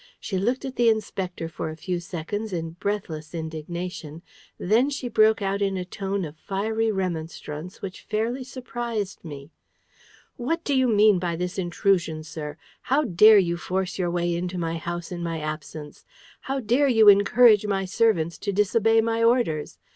She looked at the Inspector for a few seconds in breathless indignation; then she broke out in a tone of fiery remonstrance which fairly surprised me: "What do you mean by this intrusion, sir? How dare you force your way into my house in my absence? How dare you encourage my servants to disobey my orders?